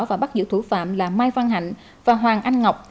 và bắt giữ thủ phạm là mai văn hạnh và hoàng anh ngọc